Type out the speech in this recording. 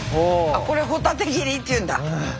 あっこれホタテ切りっていうんだ。